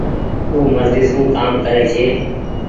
او مرزي سون ڪآم ڪري ڇي۔